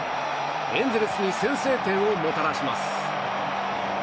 エンゼルスに先制点をもたらします。